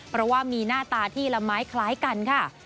เพราะว่ามีหน้าตาที่ละไม้คล้ายกันค่ะ